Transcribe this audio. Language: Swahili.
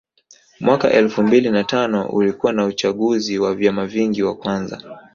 Mwaka elfu mbili na tano ulikuwa na uchaguzi wa vyama vingi wa kwanza